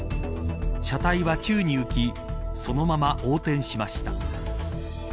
車体は宙に浮きそのまま横転しました。